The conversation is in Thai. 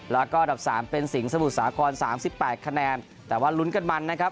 แล้วก็อันดับสามเป็นสิงห์สมุทรสาคร๓๘คะแนนแต่ว่าลุ้นกันมันนะครับ